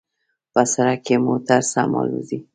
په سړک کې موټر سم الوزي